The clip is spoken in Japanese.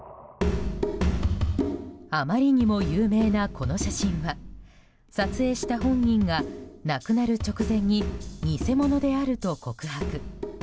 あまりにも有名なこの写真は撮影した本人が亡くなる直前に偽物であると告白。